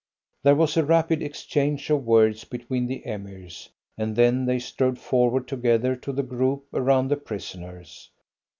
There was a rapid exchange of words between the Emirs, and then they strode forward together to the group around the prisoners.